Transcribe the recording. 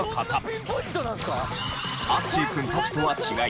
アッシー君たちとは違い